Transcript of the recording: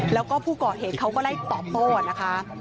แล้วก็ผู้ก่อเหตุเขาก็ไล่ตอบโต้นะคะ